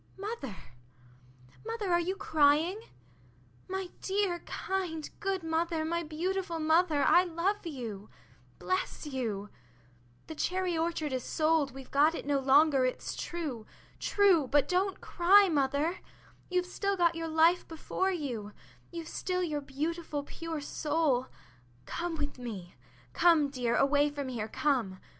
Mother! mother, are you crying? My dear, kind, good mother, my beautiful mother, I love you! Bless you! The cherry orchard is sold, we've got it no longer, it's true, true, but don't cry mother, you've still got your life before you, you've still your beautiful pure soul... Come with me, come, dear, away from here, come!